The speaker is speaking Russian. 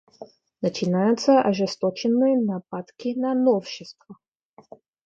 Начинаются ожесточенные нападки на новшества.